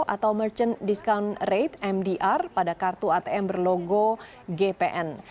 atau merchant discount rate mdr pada kartu atm berlogo gpn